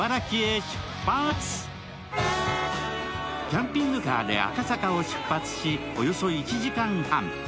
キャンピングカーで赤坂を出発し、およそ１時間半。